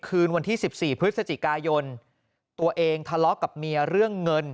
คืนวันที่๑๔พฤศจิกายนตัวเองทะเลาะกับเมียเรื่องเงิน